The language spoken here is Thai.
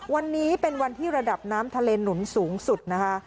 วันนี้เป็นวันที่ระดับน้ำทะเลหนุนสูงสุดนะคะ